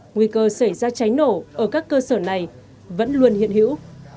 nguy cơ xảy ra cháy nổ ở các cơ sở này vẫn luôn hiện hữu